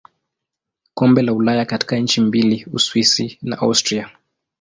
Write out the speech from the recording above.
Kombe la Ulaya katika nchi mbili Uswisi na Austria.